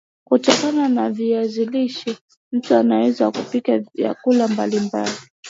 kutokana na viazi lishe mtu anaweza kupika vyakula mbali mbali